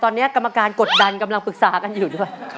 ตอนนี้กรรมการกดดันกำลังปรึกษากันอยู่ด้วย